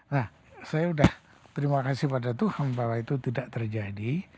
nah saya sudah terima kasih pada tuhan bahwa itu tidak terjadi